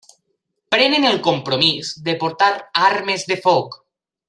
Prenen el compromís de portar armes de foc.